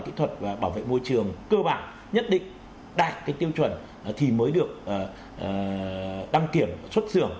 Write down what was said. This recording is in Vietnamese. kỹ thuật và bảo vệ môi trường cơ bản nhất định đạt tiêu chuẩn thì mới được đăng kiểm xuất xưởng